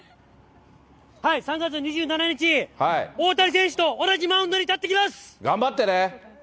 ３月２７日、大谷選手と同じマウンドに立ってきます。